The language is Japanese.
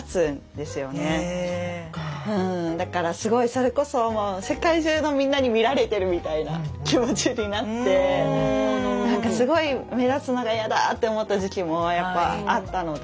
だからすごいそれこそもう世界中のみんなに見られてるみたいな気持ちになってすごい目立つのが嫌だって思った時期もやっぱあったので。